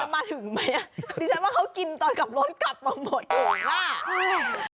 จะมาถึงไหมดิฉันว่าเขากินตอนกลับรถกลับมาหมดถึงมาก